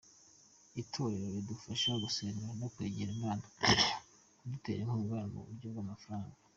Itorero ridufasha gusenga no kwegera Imana, kudutera inkunga mu buryo bw’amafranga.